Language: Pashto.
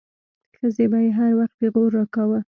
ښځې به يې هر وخت پيغور راکاوه.